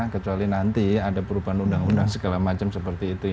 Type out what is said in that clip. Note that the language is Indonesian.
kecuali nanti ada perubahan undang undang segala macam seperti itu